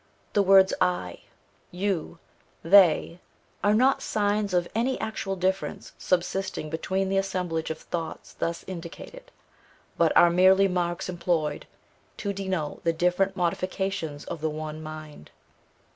The words I, YOU, THEY, are not signs of any actual difference subsisting between the assemblage of thoughts thus indicated, but are merely marks employed to denote the different modifications of the one mind.